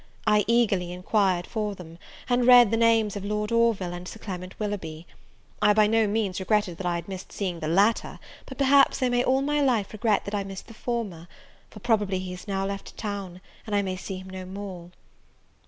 I eagerly enquired for them, and read the names of Lord Orville and Sir Clement Willoughby. I by no means regretted that I missed seeing the latter, but perhaps I may all my life regret that I missed the former; for probably he has now left town, and I may see him no more!